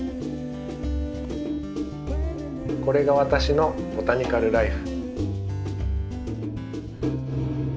これが私のボタニカル・らいふ。